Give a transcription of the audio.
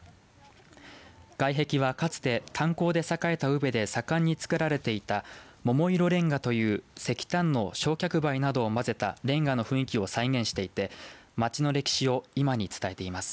外壁はかつて炭鉱で栄えた宇部で盛んに作られていた桃色レンガという石炭の焼却灰などを混ぜたレンガの雰囲気を再現していて街の歴史を今に伝えています。